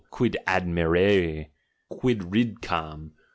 Quid admirer! quid ridcam!